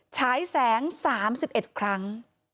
ใช้แสง๓๑ครั้ง